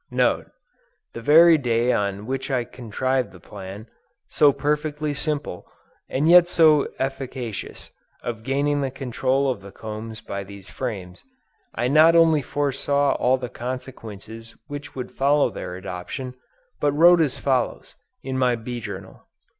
NOTE. The very day on which I first contrived the plan, so perfectly simple, and yet so efficacious, of gaining the control of the combs by these frames, I not only foresaw all the consequences which would follow their adoption, but wrote as follows, in my Bee Journal.